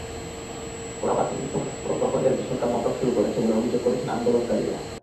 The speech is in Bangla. কোটা বাতিলসংক্রান্ত প্রজ্ঞাপন জারিতে সরকার নাটক শুরু করেছে বলে অভিযোগ করেছেন আন্দোলনকারীরা।